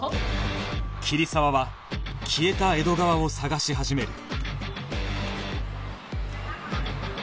桐沢は消えた江戸川を捜し始める